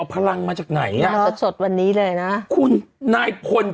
เอาพลังมาจากไหนอ่ะหลอกสดวันนี้เลยน่ะคุณนายพนตร์